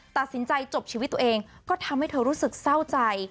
ตัดสินใจจบชีวิตตัวเองก็ทำให้เธอรู้สึกเศร้าใจ